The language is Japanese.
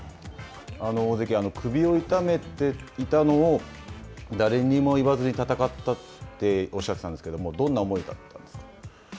大関、首を痛めていたのを誰にも言わずに戦ったっておっしゃっていたんですけど、どんな思いだったんですか。